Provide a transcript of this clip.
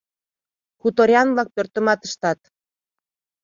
Хуторян-влак пӧртымат ыштат.